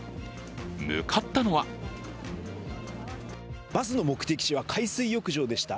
向かったのはバスの目的地は海水浴場でした。